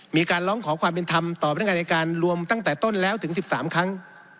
มีการร้องขอความเป็นธรรมต่อพนักงานอายการรวมตั้งแต่ต้นแล้วถึง๑๓ครั้ง